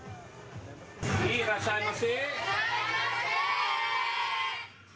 いらっしゃいませ。